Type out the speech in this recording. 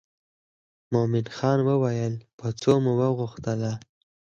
مومن خان وویل په څو مو وغوښتله.